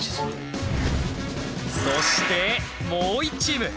そしてもう１チーム。